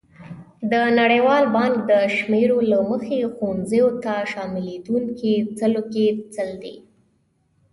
د نړیوال بانک د شمېرو له مخې ښوونځیو ته شاملېدونکي سلو کې سل دي.